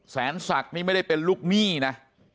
แสนศักดิ์นี่ไม่ได้เป็นลูกหนี้นะ